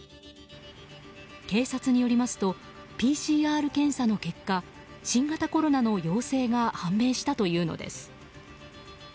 警察によりますとＰＣＲ検査の結果新型コロナの陽性が判明したというのです。